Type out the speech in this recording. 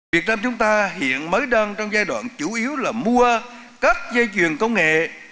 việt nam chúng ta hiện mới đang trong giai đoạn chủ yếu là mua các dây chuyền công nghệ